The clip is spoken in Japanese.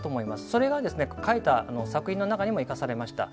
それが書いた作品の中にも生かされました。